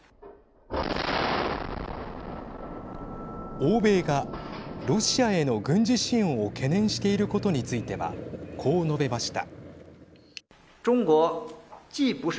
欧米がロシアへの軍事支援を懸念していることについてはこう述べました。